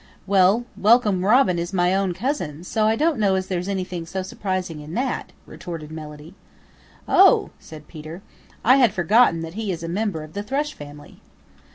"Well, Welcome Robin is my own cousin, so I don't know as there's anything so surprising in that," retorted Melody. "Oh," said Peter. "I had forgotten that he is a member of the Thrush family."